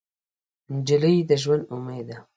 نجلۍ د ژونده امید ده.